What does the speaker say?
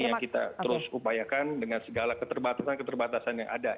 ini yang kita terus upayakan dengan segala keterbatasan keterbatasan yang ada